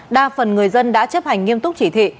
đa phần người dân đã chấp hành nghiêm túc chỉ thị